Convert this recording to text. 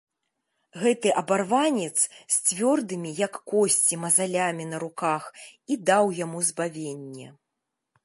Гэты абарванец з цвёрдымі, як косці, мазалямі на руках і даў яму збавенне.